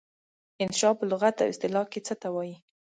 انشأ په لغت او اصطلاح کې څه ته وايي؟